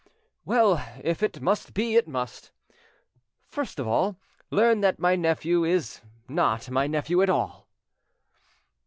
"Well, if it must be, it must. First of all, learn that my nephew is not my nephew at all."